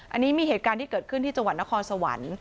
อันนี้มีเหตุการณ์ที่เกิดขึ้นที่จังหวัดนครสวรรค์